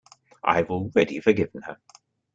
I have already forgiven her.